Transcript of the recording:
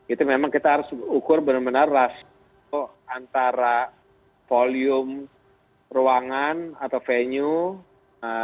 itu memang kita harus ukur benar benar rasio antara volume ruangan atau venue